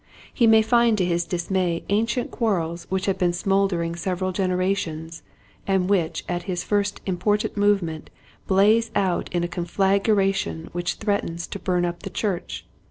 He may find to his dismay ancient quarrels which have been smoldering several generations and which at his first important movement blaze out in a conflagration which threatens to burn up the church.